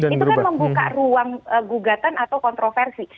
itu kan membuka ruang gugatan atau kontroversi